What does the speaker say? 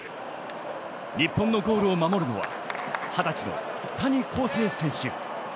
日本のゴールを守るのは２０歳の谷晃生選手。